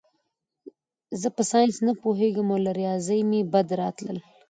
زه په ساینس نه پوهېږم او له ریاضي مې بد راتلل